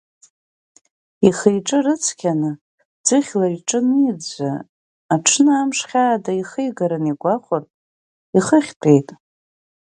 Ихиҿы рыцқьаны, ӡыхьла иҿы аниӡәӡәа, аҽны амш хьаада ихигарын игәахәыртә, ихыхь тәеит.